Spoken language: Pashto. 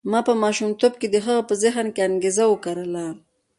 ما په ماشومتوب کې د هغه په ذهن کې انګېزه وکرله.